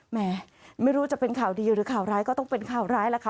แหมไม่รู้จะเป็นข่าวดีหรือข่าวร้ายก็ต้องเป็นข่าวร้ายแล้วค่ะ